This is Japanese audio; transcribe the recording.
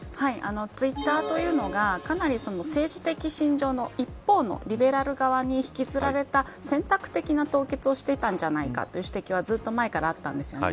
ツイッターというのがかなり、政治的信条の一方のリベラル側に引きづられた選択的な凍結をしていたんじゃないかという指摘はずっと前からあったんですね。